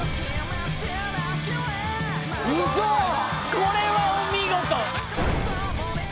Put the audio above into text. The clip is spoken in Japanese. これはお見事！